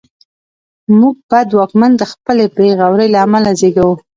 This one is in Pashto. موږ بد واکمن د خپلې بېغورۍ له امله زېږوو.